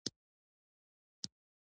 خصي او ګونګی سردار پاچا کوي.